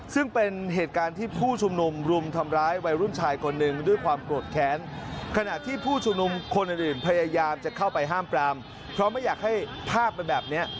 ซึ่งเป็นเหตุการณ์ที่ผู้ชุมนุมรุมทำร้ายวัยรุ่นชายคนหนึ่งด้วยความโกรธแค้นขณะที่ผู้ชุมนุมคนอื่นพยายามจะเข้าไปห้ามปรามเพราะไม่อยากให้ภาพเป็นแบบนี้